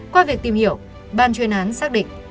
qua việc tìm hiểu ban chuyên án xác định